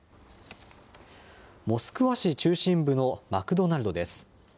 モスクワ市中心部のマクドナルドです。